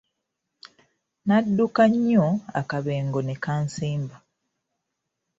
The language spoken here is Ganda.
Nadduka nnyo akabengo ne kansimba.